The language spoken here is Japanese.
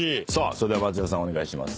それでは松也さんお願いします。